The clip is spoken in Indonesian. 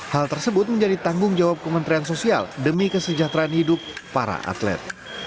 hal tersebut menjadi tanggung jawab kementerian sosial demi kesejahteraan hidup para atlet